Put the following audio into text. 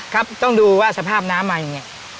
ครับต้องดูว่าสภาพน้ำมาอย่างนี้